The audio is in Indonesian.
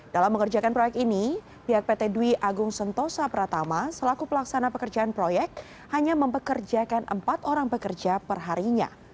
dalam mengerjakan proyek ini pihak pt dwi agung sentosa pratama selaku pelaksana pekerjaan proyek hanya mempekerjakan empat orang pekerja perharinya